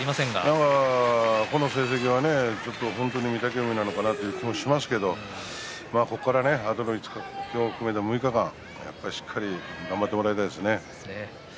この成績は本当に御嶽海なのかな？という気がしますがここから今日を含め６日間しっかり頑張ってもらいたいですね。